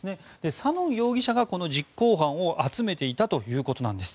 サノン容疑者が、実行犯を集めていたということなんです。